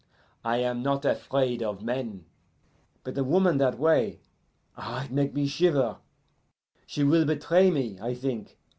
I am not afraid of men, but a woman that way ah, it make me shiver! She will betray me, I think.